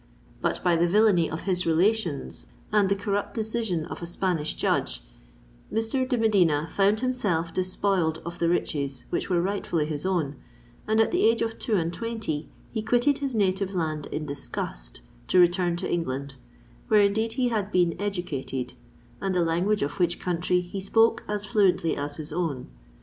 But, by the villainy of his relations and the corrupt decision of a Spanish judge, Mr. de Medina found himself despoiled of the riches which were rightfully his own; and at the age of two and twenty he quitted his native land in disgust, to return to England, where indeed he had been educated, and the language of which country he spoke as fluently as his own.